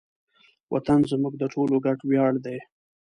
وطن زموږ د ټولو ګډ ویاړ دی.